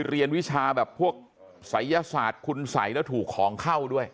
เรียนวิชาแบบพวกศัยศาสตร์คุณสัยแล้วถูกของเข้าด้วย